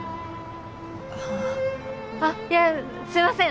あっあっいやすいません